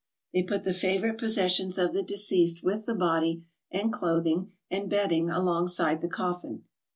They put the favourite posses sions of the deceased with the body and clothing and bed ding alongside the coffin.